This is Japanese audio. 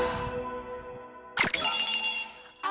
あ。